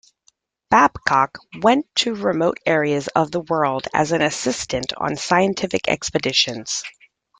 Babcock went to remote areas of the world as an assistant on scientific expeditions.